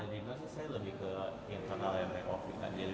kalau melalui dina sih saya lebih ke internal yang mereka ofisikan